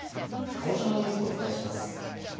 鹿児島のニュースをお伝えします。